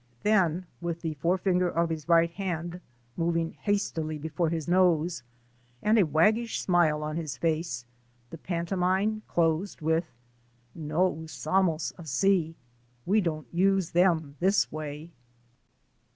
" Then with the forefinger of his right hand moving hastily before his nose, and a waggish smile on his face, the pantomime closed with, No iisamos asi'* ( We don't use them this way